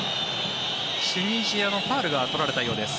チュニジアのファウルが取られたようです。